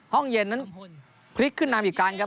ห้องเย็นนั้นพลิกขึ้นนำอีกครั้งครับ